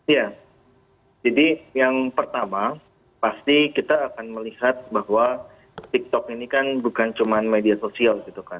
ya jadi yang pertama pasti kita akan melihat bahwa tiktok ini kan bukan cuma media sosial gitu kan